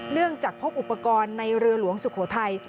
จากพบอุปกรณ์ในเรือหลวงสุโขทัย